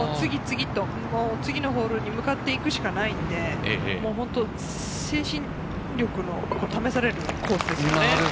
もう次のホールに向かっていくしかないので、本当に精神力が試されるコースです。